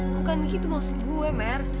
bukan gitu maksud gue mer